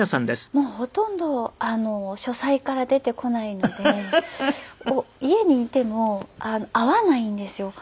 もうほとんど書斎から出てこないので家にいても会わないんですよ。